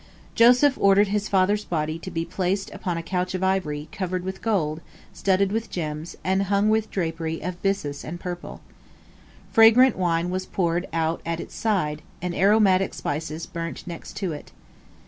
Joseph ordered his father's body to be placed upon a couch of ivory, covered with gold, studded with gems, and hung with drapery of byssus and purple. Fragrant wine was poured out at its side, and aromatic spices burnt next to it.